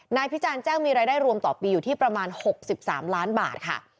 พิจารณ์แจ้งมีรายได้รวมต่อปีอยู่ที่ประมาณ๖๓ล้านบาทค่ะ